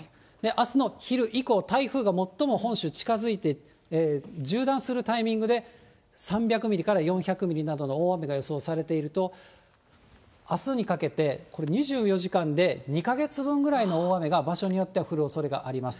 あすの昼以降、台風が最も本州近づいて、縦断するタイミングで３００ミリから４００ミリなどの大雨が予想されていると、あすにかけてこれ、２４時間で２か月分ぐらいの大雨が場所によっては降るおそれがあります。